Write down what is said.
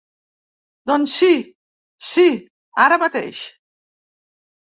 Doncs si si, ara mateix.